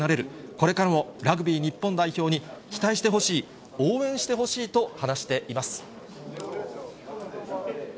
これからもラグビー日本代表に期待してほしい、応援してほしいと話しています。